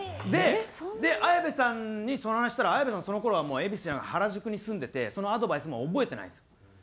で綾部さんにその話したら綾部さんその頃はもう恵比寿じゃなくて原宿に住んでてそのアドバイスも覚えてないんですよ。